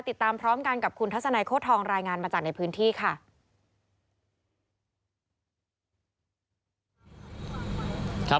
ติดตามพร้อมกันกับคุณทัศนัยโค้ดทองรายงานมาจากในพื้นที่ค่ะ